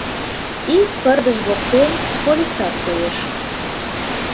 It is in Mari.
Ик пырдыж воктен полисад коеш.